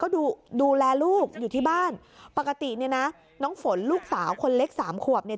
ดูแลลูกอยู่ที่บ้านปกติเนี่ยนะน้องฝนลูกสาวคนเล็กสามขวบเนี่ย